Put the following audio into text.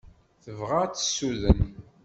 Tebɣa ad t-tessuden.